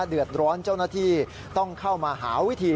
เดือดร้อนเจ้าหน้าที่ต้องเข้ามาหาวิธี